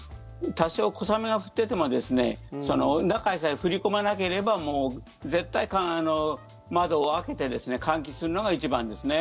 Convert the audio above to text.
多少、小雨が降ってても中にさえ降り込まなければ絶対、窓を開けて換気するのが一番ですね。